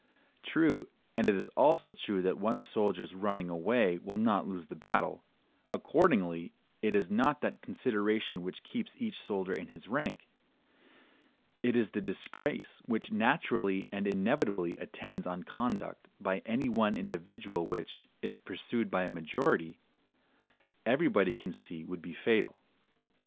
True, and it is also true that one soldier's running away will not lose the battle; accordingly, it is not that consideration which keeps each soldier in his rank: it is the disgrace which naturally and inevitably attends on conduct by any one individual which, if pursued by a majority, everybody can see would be fatal.